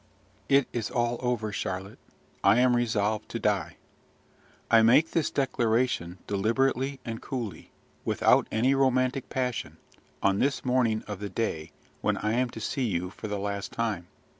"It is all over, Charlotte: I am resolved to die! I make this declaration deliberately and coolly, without any romantic passion, on this morning of the day when I am to see you for the last time.